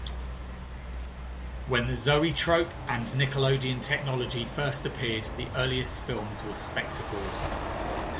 When the zoetrope and nickelodeon technology first appeared, the earliest films were spectacles.